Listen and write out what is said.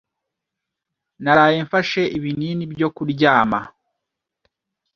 Naraye mfashe ibinini byo kuryama.